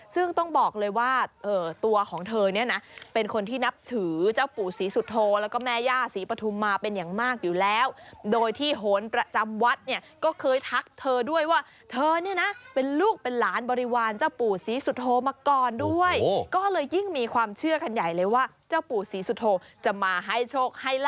ซึ่งต้องบอกเลยว่าตัวของเธอเนี่ยนะเป็นคนที่นับถือเจ้าปู่ศรีสุโธแล้วก็แม่ย่าศรีปฐุมมาเป็นอย่างมากอยู่แล้วโดยที่โหนประจำวัดเนี่ยก็เคยทักเธอด้วยว่าเธอเนี่ยนะเป็นลูกเป็นหลานบริวารเจ้าปู่ศรีสุโธมาก่อนด้วยก็เลยยิ่งมีความเชื่อกันใหญ่เลยว่าเจ้าปู่ศรีสุโธจะมาให้โชคให้ลา